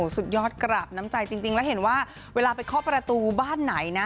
สุดยอดกราบน้ำใจจริงแล้วเห็นว่าเวลาไปเคาะประตูบ้านไหนนะ